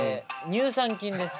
「乳酸菌」です。